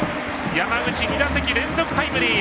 山口、２打席連続タイムリー！